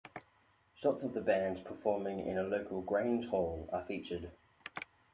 Shots of the band performing in a local Grange hall are featured.